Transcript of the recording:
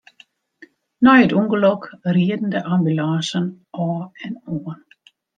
Nei it ûngelok rieden de ambulânsen ôf en oan.